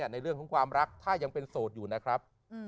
ในเรื่องของความรักถ้ายังเป็นโสดอยู่นะครับ